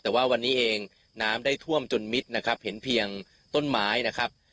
แต่ว่าวันนี้เองน้ำได้ท่วมจนมิดนะครับเห็นเพียงต้นไม้นะครับ